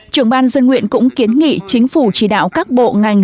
trưởng ban dân nguyện cũng kiến nghị chính phủ chỉ đạo các bộ ngành